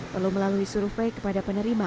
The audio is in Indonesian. perlu melalui survei kepada penerima